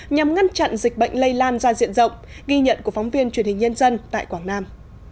nhằm ngăn chặn dịch bệnh lây lan ra diện rộng ghi nhận của phóng viên truyền hình nhân dân tại quảng nam